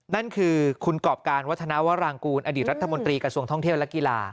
นั่นคือคุณกรอบการวัฒนาวรางกูลอดีตรัฐมนตรีกระทรวงท่องเที่ยวและกีฬา